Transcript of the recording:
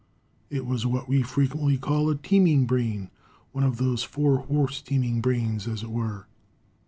It was what we frequently call a teeming brain, one of those four horse teeming brains, as it were.